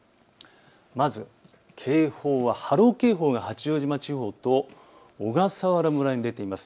まず警報は波浪警報が八丈島地方と小笠原村に出ています。